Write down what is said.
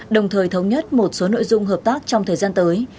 đồng thời thống nhất một số nội dung hợp tác trong thời gian tới